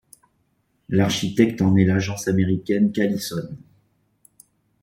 L'architecte en est l'agence américaine Callison.